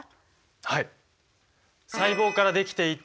はい。